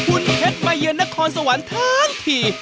คุณเพชรมาเยือนนครสวรรค์ทั้งที